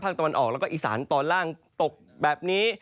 ตะวันออกแล้วก็อีสานตอนล่างตกแบบนี้